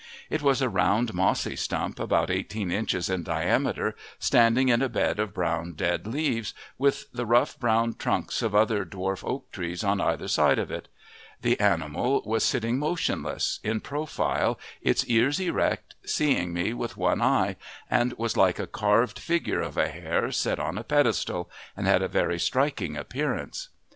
It was a round mossy stump, about eighteen inches in diameter, standing in a bed of brown dead leaves, with the rough brown trunks of other dwarf oak trees on either side of it. The animal was sitting motionless, in profile, its ears erect, seeing me with one eye, and was like a carved figure of a hare set on a pedestal, and had a very striking appearance.